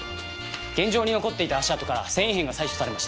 現場に残っていた足跡から繊維片が採取されました。